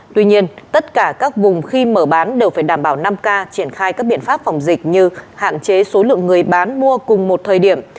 tuy nhiên tất cả các vùng khi mở bán đều phải đảm bảo năm k triển khai các biện pháp phòng dịch như hạn chế số lượng người bán mua cùng một thời điểm